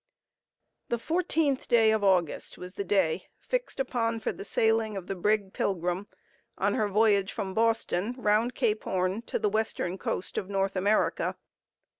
The fourteenth day of August was the day fixed upon for the sailing of the brig Pilgrim on her voyage from Boston round Cape Horn to the western coast of North America.